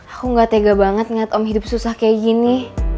aku gak tega banget ngeliat om hidup susah kayak gini